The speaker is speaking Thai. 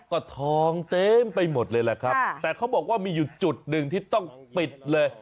ก็ทองเต็มไปหมดเลยแหละครับแต่เขาบอกว่ามีอยู่จุดหนึ่งที่ต้องปิดเลย